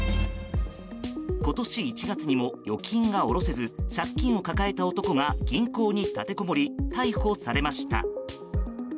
今年１月にも預金が下ろせず借金を抱えた男が銀行に立てこもり逮捕されました。